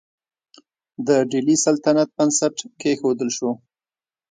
د ډیلي سلطنت بنسټ کیښودل شو.